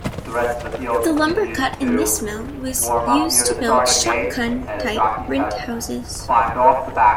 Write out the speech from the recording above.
The lumber cut in this mill was used to build shotgun-type rent houses.